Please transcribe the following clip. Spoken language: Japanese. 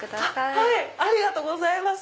ありがとうございます。